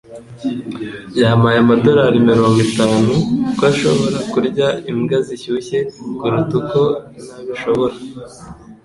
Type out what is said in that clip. yampaye amadorari mirongo itanu ko ashobora kurya imbwa zishyushye kuruta uko nabishobora.